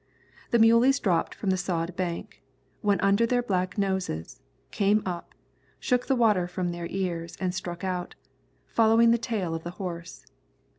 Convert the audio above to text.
The muleys dropped from the sod bank, went under to their black noses, came up, shook the water from their ears, and struck out, following the tail of the horse.